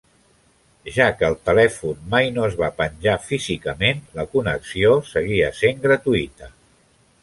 Ja que el telèfon mai no es va penjar físicament, la connexió seguia sent gratuïta.